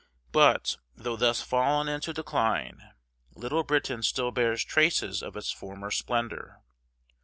But, though thus fallen into decline, Little Britain still bears traces of its former splendor.